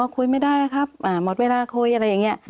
คุยไม่ได้ครับหมดเวลาคุยอะไรอย่างนี้